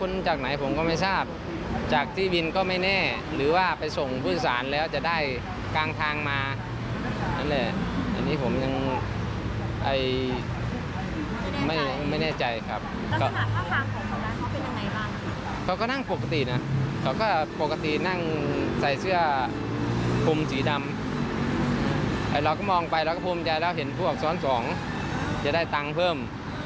เราก็มองไปเราก็พูดสินะแมดเราเห็นพวกสสสกจะได้ตังค์เพิ่ม